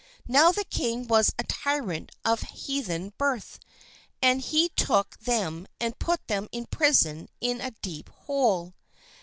Now the king was a tyrant of heathen birth, and he took them and put them in prison in a deep hole.